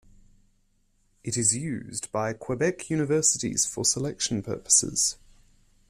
It is used by Quebec universities for selection purposes.